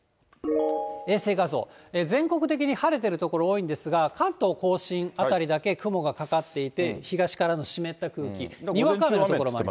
衛星画像、全国的に晴れてる所多いんですが、関東甲信辺りだけ雲がかかっていて、東からの湿った空気、にわか雨の所があります。